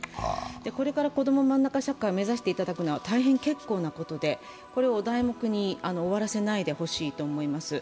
これから、こどもまんなか社会を目指していただくのは大変結構なことでこれをお題目に終わらせないでほしいと思います。